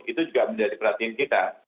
itu juga menjadi perhatian kita